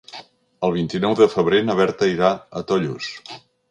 El vint-i-nou de febrer na Berta irà a Tollos.